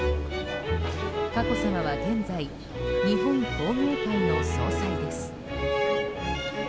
佳子さまは現在日本工芸会の総裁です。